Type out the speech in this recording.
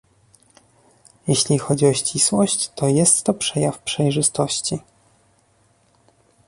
Jeśli chodzi o ścisłość, to jest to przejaw przejrzystości